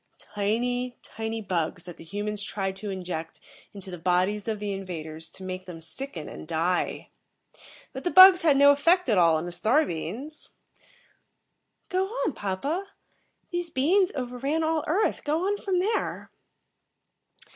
"Tiny, tiny bugs that the humans tried to inject into the bodies of the invaders to make them sicken and die. But the bugs had no effect at all on the star beings." "Go on, papa. These beings over ran all Earth. Go on from there."